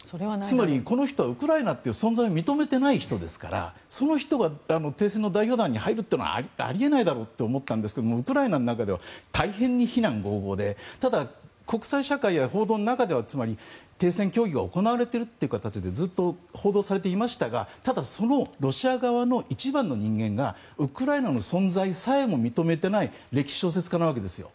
この人はウクライナという存在を認めてない人ですからその人が停戦の代表団に入ることはあり得ないだろうと思ったんですけどウクライナの中では大変に非難ごうごうでただ、国際社会や報道の中では停戦協議が行われているとずっと報道されていましたがただそのロシア側の一番の人間がウクライナの存在さえも認めていない歴史小説家なわけですよ。